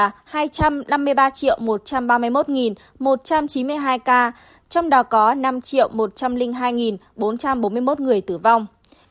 tổng số ca mắc covid một mươi chín trên toàn cầu là một trăm năm mươi ba một trăm ba mươi một một trăm chín mươi hai ca trong đó có năm một trăm linh hai bốn trăm bốn mươi một người tử vong